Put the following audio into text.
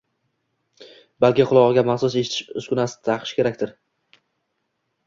Balki qulog‘iga maxsus eshitish uskunasi taqishi kerakdir.